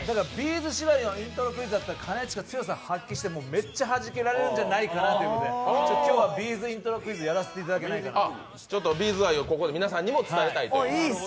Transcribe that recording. ’ｚ縛りのイントロクイズだったら兼近、力を発揮してもうめっちゃハジけられるんじゃないかなということで、今日は「Ｂ’ｚイントロクイズ」をやらせていただけないかと。